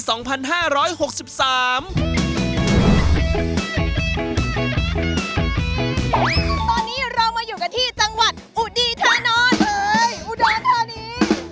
ตอนนี้เรามาอยู่กันที่จังหวัดอุดีธานอนเอ้ยอุดรธานี